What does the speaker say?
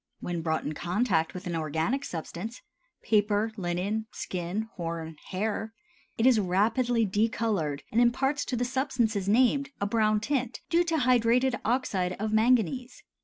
When brought in contact with an organic substance—paper, linen, skin, horn, hair—it is rapidly decolored and imparts to the substances named a brown tint due to hydrated oxide of manganese.